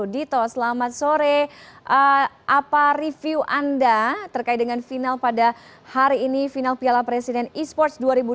dito selamat sore apa review anda terkait dengan final pada hari ini final piala presiden esports dua ribu dua puluh